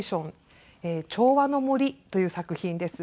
『調和の森』という作品です。